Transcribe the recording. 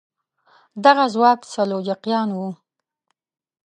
دغه ځواک سلجوقیان وو.